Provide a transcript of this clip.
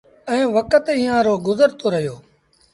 ائيٚݩ وکت ايٚئآݩ رو گزرتو رهيو